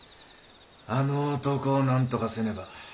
あの男をなんとかせねば。